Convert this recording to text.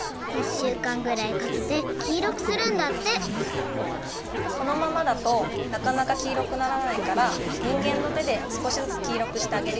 しゅうかんぐらいかけて黄色くするんだってこのままだとなかなか黄色くならないからにんげんのてですこしずつ黄色くしてあげるよ。